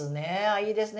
いいですね。